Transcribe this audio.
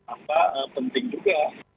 apa penting juga